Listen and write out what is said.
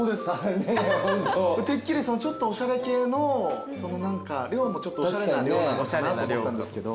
てっきりちょっとおしゃれ系の量もおしゃれな量なのかなと思ったんですけど。